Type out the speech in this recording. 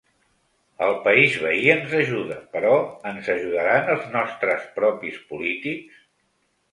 El país veí ens ajuda, però, ens ajudaran els nostres propis polítics?